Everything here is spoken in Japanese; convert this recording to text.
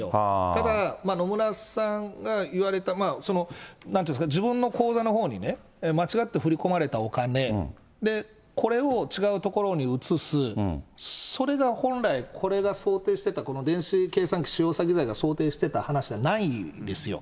ただ、野村さんが言われた、なんていうんですか、自分の口座のほうに間違って振り込まれたお金、これを違う所に移す、それが本来、これが想定してた、この電子計算機使用詐欺罪が想定していた話じゃないですよ。